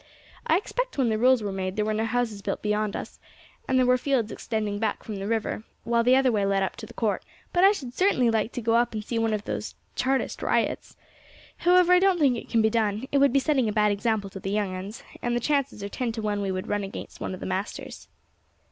I expect when the rules were made there were no houses built beyond us, and there were fields extending back from the river, while the other way led up to the Court. But I should certainly like to go up and see one of those Chartist riots. However, I don't think it can be done; it would be setting a bad example to the young uns, and the chances are ten to one we should run against one of the masters."